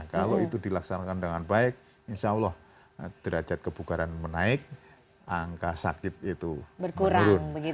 kalau itu dilaksanakan dengan baik insya allah derajat kebugaran menaik angka sakit itu menurun